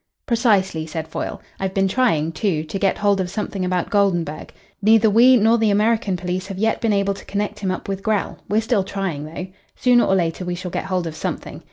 "Precisely," said Foyle. "I've been trying, too, to get hold of something about Goldenburg. Neither we nor the American police have yet been able to connect him up with Grell. We're still trying, though. Sooner or later we shall get hold of something.